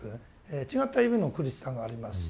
違った意味の苦しさがありますし。